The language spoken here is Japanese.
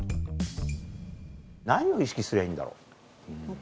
何を意識すりゃいいんだろう？